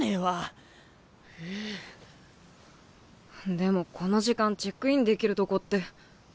でもこの時間チェックインできるとこって。